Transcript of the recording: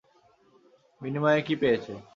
বিনিময়ে কী পেয়েছে।